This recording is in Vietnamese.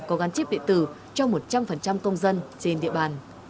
có gắn chiếp địa tử cho một trăm linh công dân trên địa bàn